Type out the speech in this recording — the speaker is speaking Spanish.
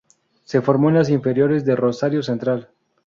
Se formó en las inferiores de Rosario Central.